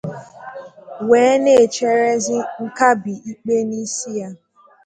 wee na-echerezị nkabì ikpe n'isi ya.